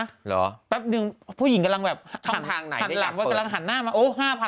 เหรอแป๊บหนึ่งผู้หญิงกำลังแบบหันหลังไปหันหน้ามาท่องทางไหนได้อยากเปิด